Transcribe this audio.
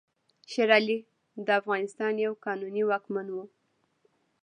شېر علي د افغانستان یو قانوني واکمن وو.